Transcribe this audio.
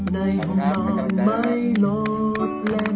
ดีจริง